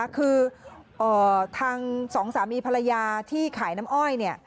คือทางสองสามีภรรยาที่ขายน้ำอ้อย